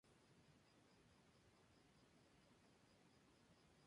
Tras un año parado, acaba firmando como agente libre por San Antonio Spurs.